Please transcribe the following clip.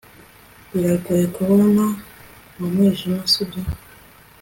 biragoye kubona mu mwijima, sibyo